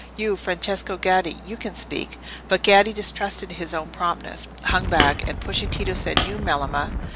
"You, Francesco Gaddi—you can speak." But Gaddi, distrusting his own promptness, hung back, and pushing Tito, said, "You, Melema."